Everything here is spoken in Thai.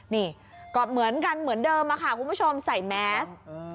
นี่ก็เหมือนกันเหมือนเดิมค่ะคุณผู้ชมใส่แมส